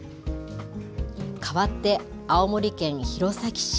かわって、青森県弘前市。